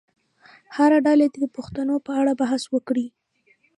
هره ډله دې د پوښتنو په اړه بحث وکړي.